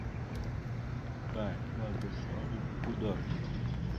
Kay nàgas awak gakwa da.